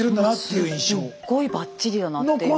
すっごいバッチリだなって今。